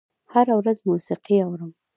هره ورځ موسیقي اورم